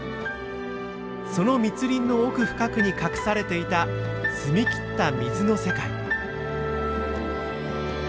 その密林の奥深くに隠されていた澄み切った水の世界。